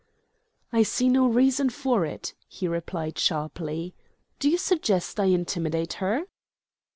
"I see no reason for it," he replied sharply. "Do you suggest I intimidate her?"